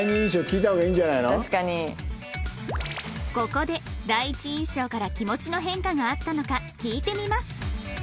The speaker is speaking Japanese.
ここで第一印象から気持ちの変化があったのか聞いてみます